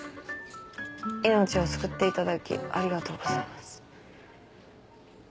命を救っていただきありがとうございます。